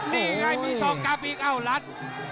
นี่ไงเพราะมี๒การ์ปอีตเอ้าวลัด